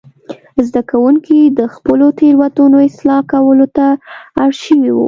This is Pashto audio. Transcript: زده کوونکي د خپلو تېروتنو اصلاح کولو ته اړ شوي وو.